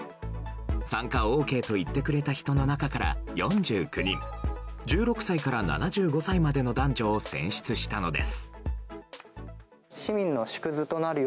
参加ＯＫと言ってくれた人の中から４９人１６歳から７５歳までの男女を選出したのです。